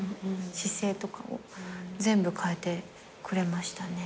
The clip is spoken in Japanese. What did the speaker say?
姿勢とかを全部変えてくれましたね。